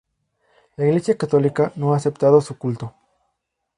La Iglesia católica no ha aceptado su culto.